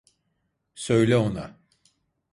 Söyle ona.